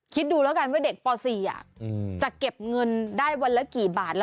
คิดดูแล้วกันว่าเด็กป๔จะเก็บเงินได้วันละกี่บาท